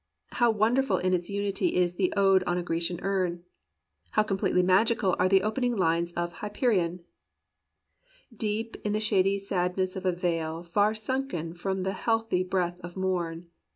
How wonderful in its unity is the "Ode on a Grecian Urn "! How completely magical are the opening lines of "Hyperion": "Deep in the shady sadness of a vale Far sunken from the healthy breath of morn.